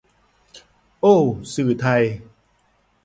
โอ้สื่อไทย